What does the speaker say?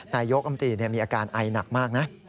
นายยกองตีมีอาการไอหนักมากนะ